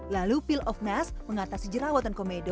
lalu peel off mask mengatasi jerawat